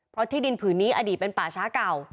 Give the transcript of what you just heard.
เพราะที่ดินผืนนี้อดีตเป็นป่าช้าเก่า